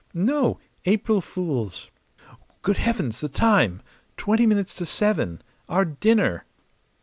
"No. April fools! Good heavens, the time! Twenty minutes to seven. Our dinner!"